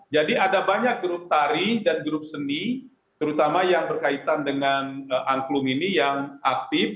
jadi ada banyak grup tari dan grup seni terutama yang berkaitan dengan angklung ini yang aktif